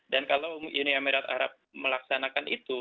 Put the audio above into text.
dan kalau uni emirat arab melaksanakan itu